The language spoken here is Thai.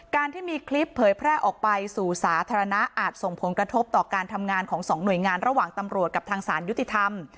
การที่มีคลิปเผยแพร่ออกไปสู่สาธารณะอาจส่งผลกระทบต่อการทำงานของสองหน่วยงานระหว่างตำรวจกับทางสารยุติธรรม